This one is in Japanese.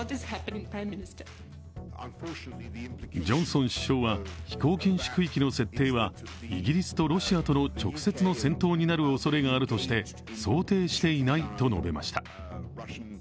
ジョンソン首相は飛行禁止区域の設定はイギリスとロシアとの直接の戦闘になるおそれがあるとして想定していないと述べました。